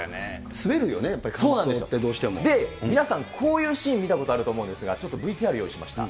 滑るよね、皆さん、こういうシーン、見たことあると思うんですが、ちょっとＶＴＲ用意しました。